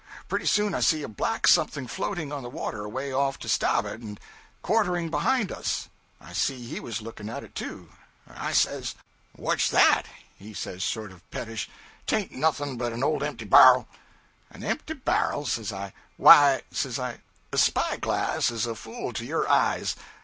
Pretty soon I see a black something floating on the water away off to stabboard and quartering behind us. I see he was looking at it, too. I says '"What's that?" He says, sort of pettish, '"Tain't nothing but an old empty bar'l." '"An empty bar'l!" says I, "why," says I, "a spy glass is a fool to your eyes.